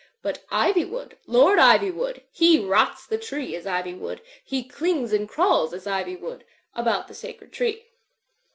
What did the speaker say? But Ivywood, Lord Ivywood, He rots the tree as ivy would. He clings and crawls as ivy would About the sacred tree.